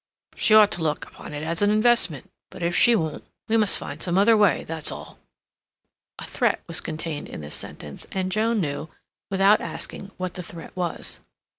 "She ought to look upon it as an investment; but if she won't, we must find some other way, that's all." A threat was contained in this sentence, and Joan knew, without asking, what the threat was.